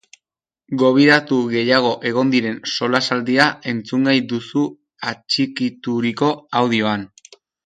Gobidatu gehiago egon diren solasaldia entzungai duzu atxikituriko audioan!